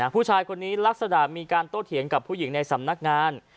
ผู้ชายคนนี้ลักษณะมีการโต้เถียงกับผู้หญิงในสำนักงาน